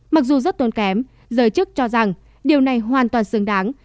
mặc dù rất tốn kém giới chức cho rằng điều này hoàn toàn xứng đáng